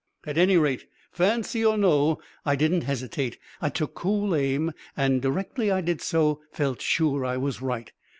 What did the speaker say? "At any rate, fancy or no, I didn't hesitate. I took cool aim, and directly I did so, felt sure I was right.